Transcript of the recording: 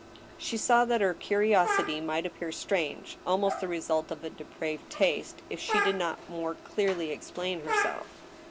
She saw that her curiosity might appear strange, almost the re sult of a depraved taste, if she did not more clearly explain herself.